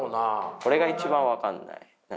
これが一番分かんない。